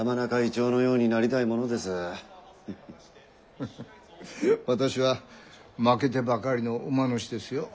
フフッ私は負けてばかりの馬主ですよ。